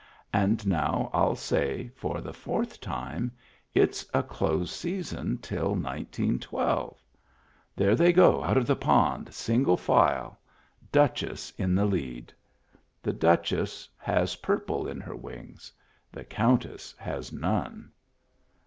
And now 111 say, for the fourth time, it's a close season till 19 12. There they go out of the pond, single file — Duchess in the lead. The Duchess has purple in her wings; the Countess has none."